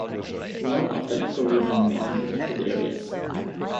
None of the ecoregion is in protected areas.